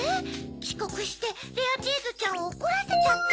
「ちこくしてレアチーズちゃんをおこらせちゃった」？